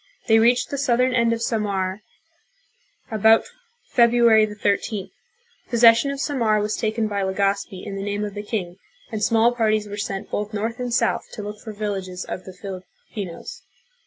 They reached the southern end of Samar about February the 13th. Possession of Samar was taken by Legazpi in the name of the king, and small parties were sent both north and south to look for villages of the Fil ipinos.